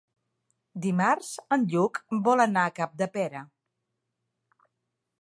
Dimarts en Lluc vol anar a Capdepera.